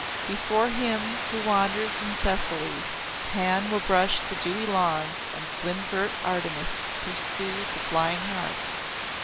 Before him who wanders in Thessaly Pan will brush the dewy lawns and slim girt Artemis pursue the flying hart.